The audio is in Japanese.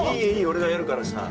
俺がやるからさ。